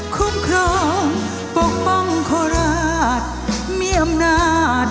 คุ้มครองปกป้องโคราชมีอำนาจ